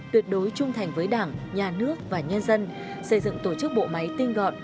tuyệt đối trung thành với đảng nhà nước và nhân dân xây dựng tổ chức bộ máy tinh gọn